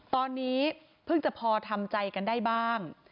ตอนนี้เพิ่งจะพอทำใจกันได้บ้าง